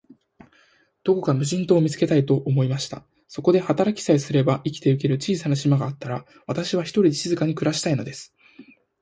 どこか無人島を見つけたい、と思いました。そこで働きさえすれば、生きてゆける小さな島があったら、私は、ひとりで静かに暮したいのです。